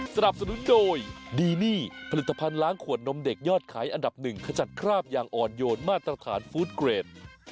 สนับสนุนโดยดีนี่ผลิตภัณฑ์ล้างขวดนมเด็กยอดขายอันดับหนึ่งขจัดคราบอย่างอ่อนโยนมาตรฐานฟู้ดเกรด